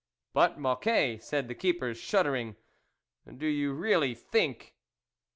" But, Mocquet," said the keepers, shud dering, " do you really think .